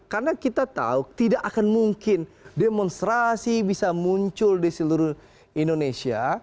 karena kita tahu tidak akan mungkin demonstrasi bisa muncul di seluruh indonesia